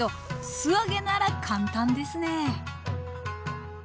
素揚げなら簡単ですね。